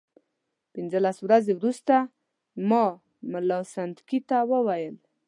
پنځلس ورځې وروسته ما ملا سنډکي ته وویل.